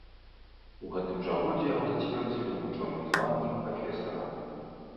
У гэтым жа годзе яго зацвердзілі ў вучоным званні прафесара.